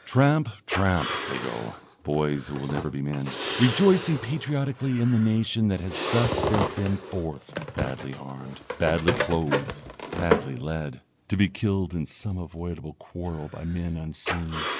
Tramp, tramp, they go, boys who will never be men, rejoicing patriotically in the nation that has thus sent them forth, badly armed, badly clothed, badly led, to be killed in some avoidable quarrel by men unseen.